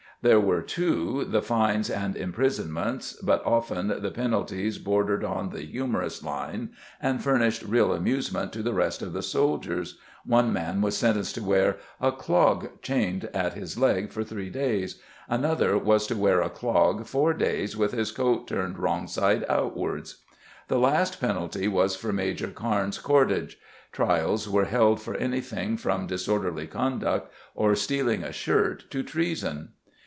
There were, too, the fines and imprisonments, but often the the penalties bordered on the humorous line and furnished real amusement to the rest of the soldiers, one man was sentenced to wear "A clogg chained at his legg for three days, another was to wear a clog four days with his coat turned wrong side outwards". The last penalty was for Major Carnes's cordage. Trials were held for anything from disorderly conduct or stealing a shirt to treason.